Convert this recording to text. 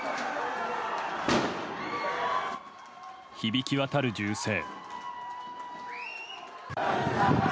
響き渡る銃声。